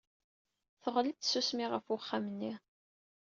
Teɣli-d tsusmi ɣef uxxam-nni.